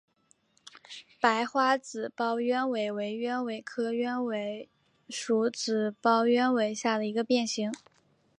白花紫苞鸢尾为鸢尾科鸢尾属紫苞鸢尾下的一个变型。